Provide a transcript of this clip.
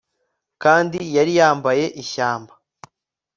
kandi yari yambaye ishyamba